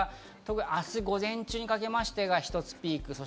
特に明日、午前中にかけてが一つピーク。